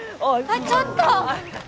あっちょっと！